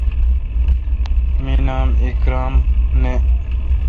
می نام اکرم نہ۔